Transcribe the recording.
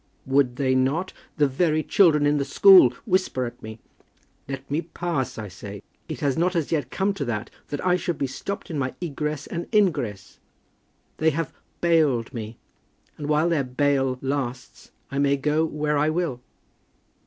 "Would they not? The very children in the school whisper at me. Let me pass, I say. It has not as yet come to that, that I should be stopped in my egress and ingress. They have bailed me; and while their bail lasts, I may go where I will."